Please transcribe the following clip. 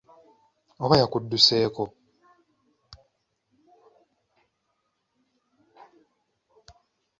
Oba yakuduseeko?